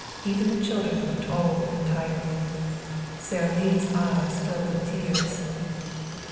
Even the children looked old and tired. Sara Lee's eyes filled with tears.